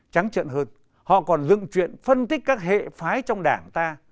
trắng trận hơn họ còn dựng chuyện phân tích các hệ phái trong đảng ta